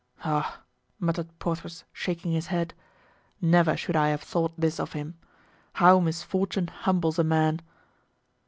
"Oh!" muttered Porthos, shaking his head, "never should I have thought this of him! How misfortune humbles a man!"